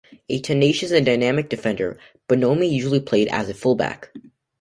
A tenacious and dynamic defender, Bonomi usually played as a full-back.